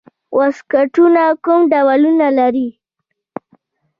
واسکټونه کوم ډولونه لري؟